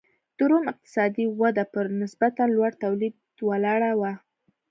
د روم اقتصادي وده پر نسبتا لوړ تولید ولاړه وه.